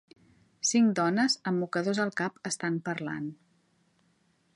Cinc dones amb mocadors al cap estan parlant.